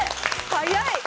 早い。